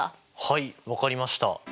はい分かりました。